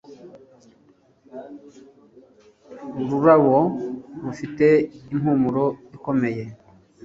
Ururabo rufite impumuro ikomeye